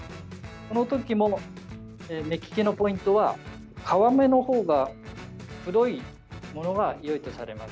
そのときも目利きのポイントは皮目のほうが黒いものがよいとされます。